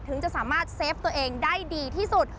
จะสามารถเซฟตัวเองได้ดีที่สุด